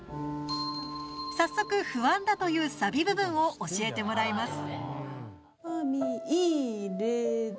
早速不安だというサビ部分を教えてもらいます。